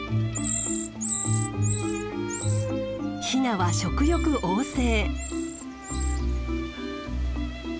ヒナは食欲旺盛。